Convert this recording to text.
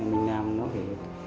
mình làm nó phải